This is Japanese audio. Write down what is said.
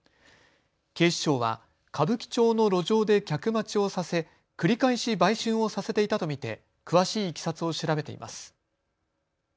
警視庁は歌舞伎町の路上で客待ちをさせ繰り返し売春をさせていたと見て詳しいいきさつを調べています。